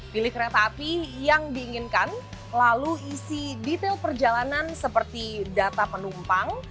pilih kereta api yang diinginkan lalu isi detail perjalanan seperti data penumpang